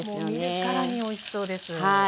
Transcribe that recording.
見るからにおいしそうです。